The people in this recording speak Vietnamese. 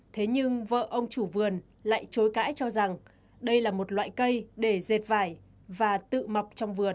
thế nhưng vợ ông chủ vườn lại chối cãi cho rằng đây là một loại cây để dệt vải và tự mọc trong vườn